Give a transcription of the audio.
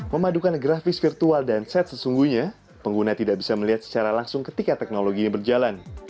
memadukan grafis virtual dan set sesungguhnya pengguna tidak bisa melihat secara langsung ketika teknologi ini berjalan